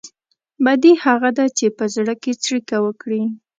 بدي هغه ده چې په زړه کې څړيکه وکړي.